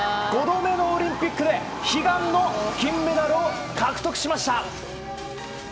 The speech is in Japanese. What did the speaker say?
５度目のオリンピックで、悲願の金メダルを獲得しました。